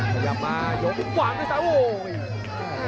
สะยำมายกขวางด้วยซ้ายโอ้โห